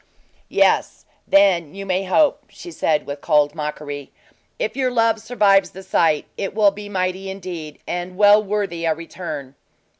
"Yes; then you may hope," she said, with cold mockery. "If your love survives the sight, it will be mighty, indeed, and well worthy a return."